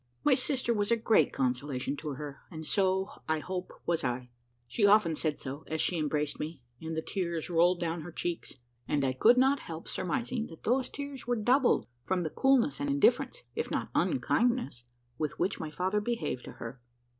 My sister was a great consolation to her, and so I hope was I; she often said so, as she embraced me, and the tears rolled down her cheeks, and I could not help surmising that those tears were doubled from the coolness and indifference, if not unkindness, with which my father behaved to her.